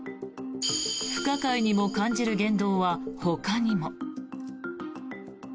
不可解にも感じる言動はほかにも。